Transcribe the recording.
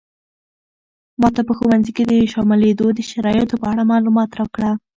ماته په ښوونځي کې د شاملېدو د شرایطو په اړه معلومات راکړه.